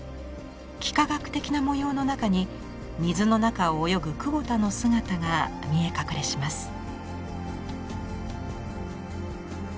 幾何学的な模様の中に水の中を泳ぐ久保田の姿が見え隠れします。